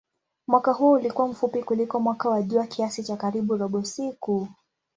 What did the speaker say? Mwaka huo ulikuwa mfupi kuliko mwaka wa jua kiasi cha karibu robo siku.